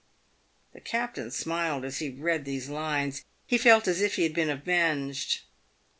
The captain smiled as he read these lines. He felt as if he had been avenged.